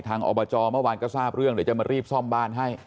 อบจเมื่อวานก็ทราบเรื่องเดี๋ยวจะมารีบซ่อมบ้านให้